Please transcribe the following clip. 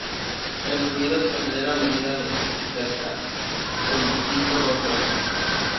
El fluido se acelera a medida que se acerca al disco rotor.